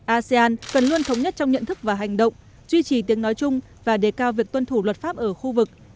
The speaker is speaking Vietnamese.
asean cần luôn thống nhất trong nhận thức và hành động duy trì tiếng nói chung và đề cao việc tuân thủ luật pháp ở khu vực